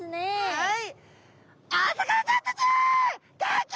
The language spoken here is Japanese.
はい。